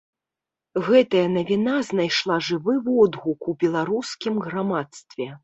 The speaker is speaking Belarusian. Гэтая навіна знайшла жывы водгук у беларускім грамадстве.